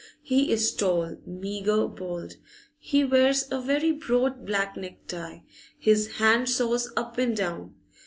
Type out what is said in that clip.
He is tall, meagre, bald; he wears a very broad black necktie, his hand saws up and down.